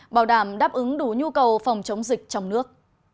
bảo đảm đáp ứng đủ nhu cầu phòng chống dịch trong nước